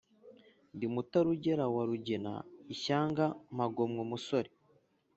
Ndi Mutarugera wa Rugina, ishyanga mpagomwa umusore.